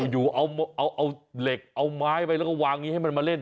อยู่เอาเหล็กเอาไม้ไปแล้วก็วางอย่างนี้ให้มันมาเล่น